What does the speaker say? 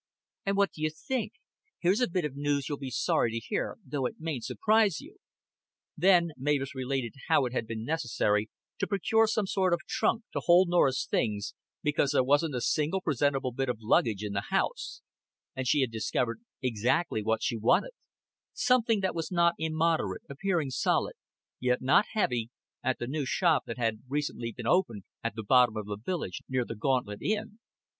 "And what do you think? Here's a bit of news you'll be sorry to hear, though it mayn't surprise you." Then Mavis related how it had been necessary to procure some sort of trunk to hold Norah's things, because there wasn't a single presentable bit of luggage in the house, and she had discovered exactly what she wanted something that was not immoderate, appearing solid, yet not heavy at the new shop that had recently been opened at the bottom of the village near the Gauntlet Inn.